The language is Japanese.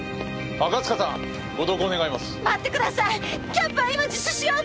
キャップは今自首しようと。